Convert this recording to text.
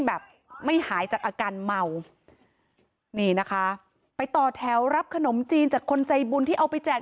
แบบไม่หายจากอาการเมานี่นะคะไปต่อแถวรับขนมจีนจากคนใจบุญที่เอาไปแจก